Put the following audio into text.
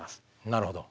なるほど。